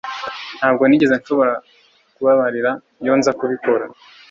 Ntabwo nigeze nshobora kubabarira iyo nza kubikora.